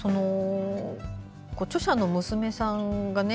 著者の娘さんがね